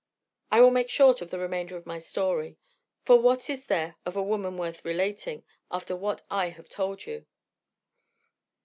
I will make short of the remainder of my story, for what is there of a woman worth relating, after what I have told you?